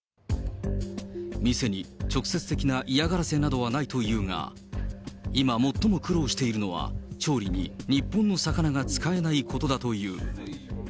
店に直接的な嫌がらせなどはないというが、今最も苦労しているのは、調理に日本の魚が使えないことだという。